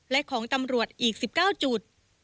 และของตำรวจอีก๑๙จุด